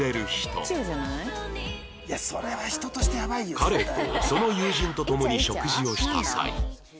彼とその友人と共に食事をした際